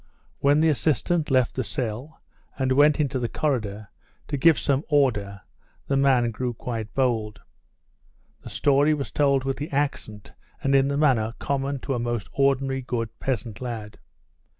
When the assistant left the cell and went into the corridor to give some order the man grew quite bold. The story was told with the accent and in the manner common to a most ordinary good peasant lad.